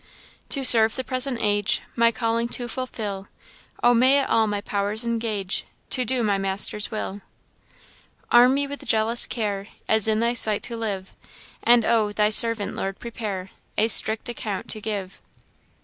'To serve the present age, My calling to fulfil; Oh, may it all my powers engage To do my Maker's will! Arm me with jealous care, As in thy sight to live; And oh! thy servant, Lord, prepare, A strict account to give!'